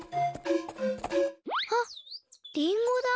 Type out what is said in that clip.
あっりんごだ。